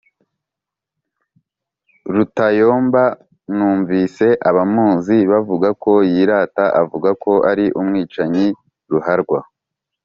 Rutayomba numvise abamuzi bavuga ko yirata avuga ko ari umwicanyi ruharwa